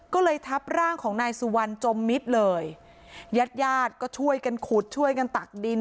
ก็เลยทับร่างของนายสุวรรณจมมิตรเลยญาติญาติก็ช่วยกันขุดช่วยกันตักดิน